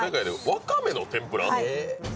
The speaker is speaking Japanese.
わかめの天ぷら！？